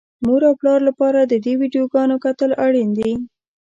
د مور او پلار لپاره د دې ويډيوګانو کتل اړين دي.